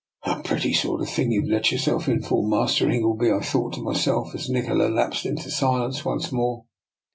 " A pretty sort of thing you've let yourself in for. Master Ingleby! " I thought to myself as Nikola lapsed into silence once more.